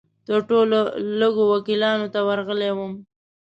تر ټولو لږو وکیلانو ته ورغلی وم.